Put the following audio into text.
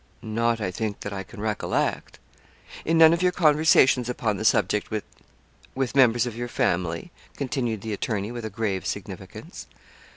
'Not, I think, that I can recollect.' 'In none of your conversations upon the subject with with members of your family?' continued the attorney with a grave significance.